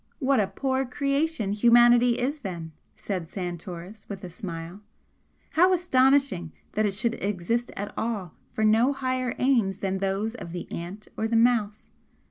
"What a poor creation humanity is, then!" said Santoris, with a smile "How astonishing that it should exist at all for no higher aims than those of the ant or the mouse!